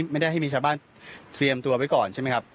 ไม่ได้ให้มีชาวบ้านเตรียมตัวไว้ก่อนใช่ไหมครับ